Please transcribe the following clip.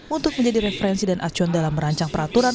untuk menjadi referensi dan acuan dalam merancang peraturan